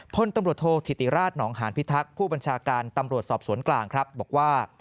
พลตำรวจโทษธิติราชหนองหานพิทักษ์ผู้บัญชาการตำรวจสอบสวนกลางครับบอกว่า